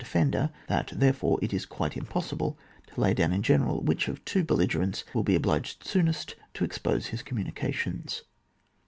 defender ; that, therefore, it is quite impossible to lay down in general which of two belli gerents will be obliged soonest to expose his communications.